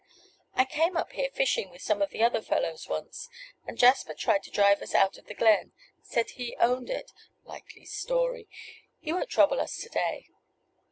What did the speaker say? "I came up here fishing with some of the other fellows once, and Jasper tried to drive us out of the glen. Said he owned it. Likely story! He won't trouble us to day."